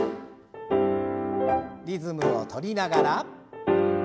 リズムを取りながら。